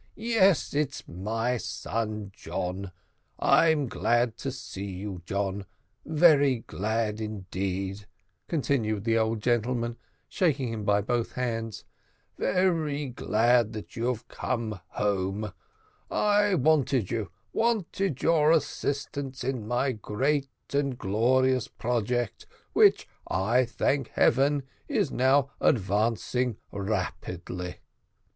yes, it is my son John! I'm glad to see you, John very glad indeed," continued the old gentleman, shaking him by both hands "very glad that you have come home: I wanted you wanted your assistance in my great and glorious project, which, I thank Heaven, is now advancing rapidly.